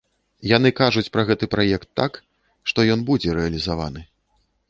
Яны кажуць пра гэты праект так, што ён будзе рэалізаваны.